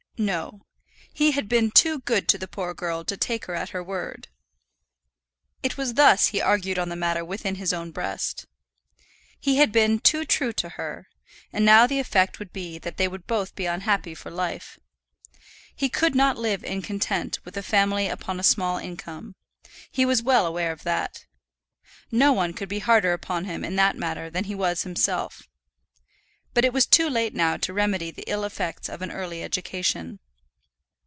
No. "He had been too good to the poor girl to take her at her word." It was thus he argued on the matter within his own breast. He had been too true to her; and now the effect would be that they would both be unhappy for life! He could not live in content with a family upon a small income. He was well aware of that. No one could be harder upon him in that matter than was he himself. But it was too late now to remedy the ill effects of an early education.